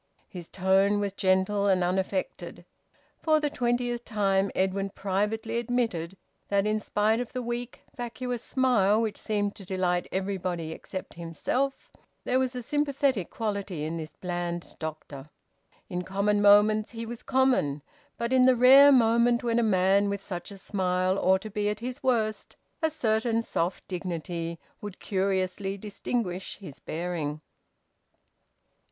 His tone was gentle and unaffected. For the twentieth time Edwin privately admitted that in spite of the weak, vacuous smile which seemed to delight everybody except himself, there was a sympathetic quality in this bland doctor. In common moments he was common, but in the rare moment when a man with such a smile ought to be at his worst, a certain soft dignity would curiously distinguish his bearing.